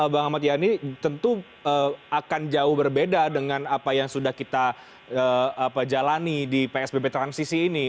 bang ahmad yani tentu akan jauh berbeda dengan apa yang sudah kita jalani di psbb transisi ini